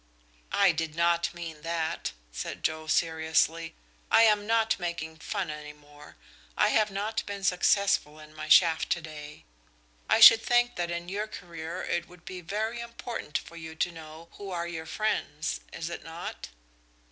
"I did not mean that," said Joe, seriously. "I am not making fun any more. I have not been successful in my chaff to day. I should think that in your career it would be very important for you to know who are your friends. Is it not?"